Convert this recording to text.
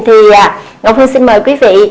thì ngọc hưng xin mời quý vị